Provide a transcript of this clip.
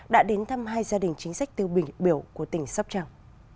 đã đến thăm hai gia đình chính sách tiêu biểu của tỉnh sóc trăng